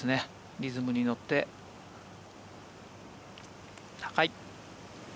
リズムに乗って、高い。